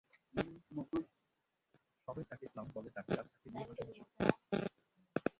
সবাই তাকে ক্লাউন বলে ডাকবে আর তাকে নিয়ে হাসাহাসি করবে।